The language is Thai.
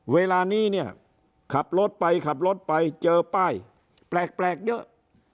เวลานี้เนี่ยขับรถไปขับรถไปเจอป้ายแปลกเยอะ